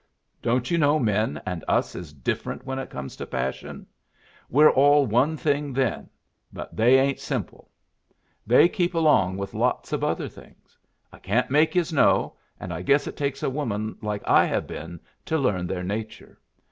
Don't you know men and us is different when it comes to passion? We're all one thing then, but they ain't simple. They keep along with lots of other things. I can't make yus know, and I guess it takes a woman like I have been to learn their nature.